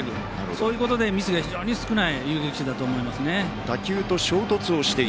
そういうところでミスが非常に少ない遊撃手だと思います。